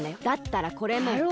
だったらこれも。